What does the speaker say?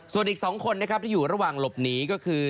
ส่วนอีก๒คนนะครับที่อยู่ระหว่างหลบหนีก็คือ